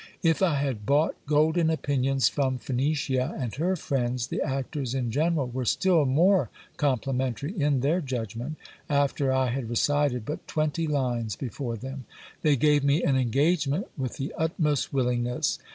If I had bought golden opinions from Phenicia and her friends, the actors in general were still more complimentary in their judgment, after I had recited but twenty lines before them. They gave me an engagement with the utmost willingness.